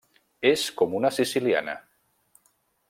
És com una siciliana.